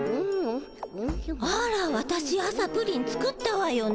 あら私朝プリン作ったわよね。